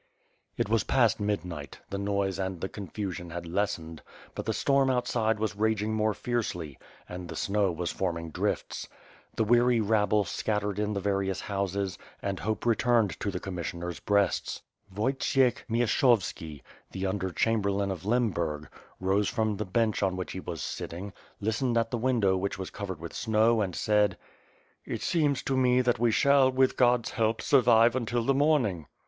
It was past midnight; the noise and the confusion had lessened, but the storm outside was raging more fiercely, and the snow was forming drifts. The weary rabble scattered in the various houses, and hope returned to the commissioners' breasts. Voytsiekh Miashovski, the under Chamberlain of Lemburg, rose from the bench on which he was sitting, list ened at the window which was covered with snow and said: "It seems to me that we shall, with God's help, survive until the morning."